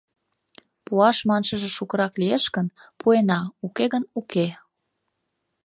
Пуаш маншыже шукырак лиеш гын, пуэна, уке гын, уке.